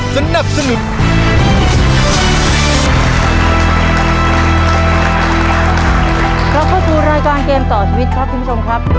เราก็คือรายการเกมต่อชีวิตครับคุณผู้ชมครับ